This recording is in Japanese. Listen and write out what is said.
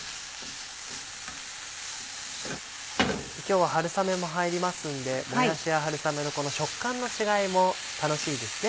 今日は春雨も入りますんでもやしや春雨のこの食感の違いも楽しいですね。